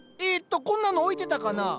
えとこんなの置いてたかな？